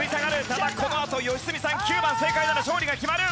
ただこのあと良純さん９番正解なら勝利が決まる。